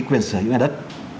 quyền sở hữu nhà đất